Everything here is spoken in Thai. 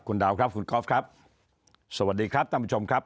สวัสดีครับสำหรับผู้ชมครับ